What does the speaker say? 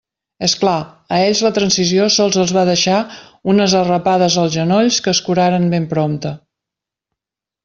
És clar, a ells la Transició sols els va deixar unes arrapades als genolls que es curaren ben prompte.